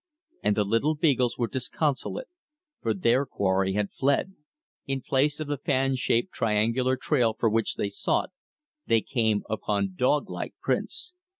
And the little beagles were disconsolate, for their quarry had fled. In place of the fan shaped triangular trail for which they sought, they came upon dog like prints.